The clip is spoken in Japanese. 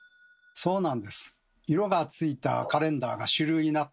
そうなんです。